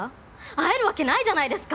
会えるわけないじゃないですか！